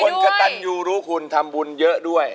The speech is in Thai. เป็นคนกระตันยูรุคุณทำบุญเยอะด้วย